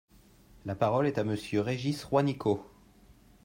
La parole est à Monsieur Régis Juanico.